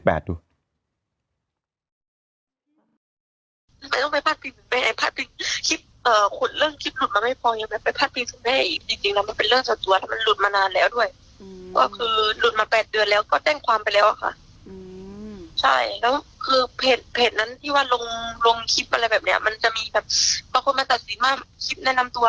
ถ้าหนูจะออกมาแชร์ตัวเองหนูสินค้ำเขาก็ไม่ใช่ใช่มั้ยค่ะ